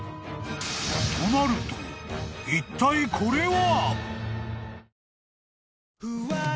［となるといったいこれは！？］